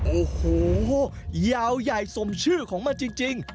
โอ้โหยาวใหญ่สมชื่อของมันจริง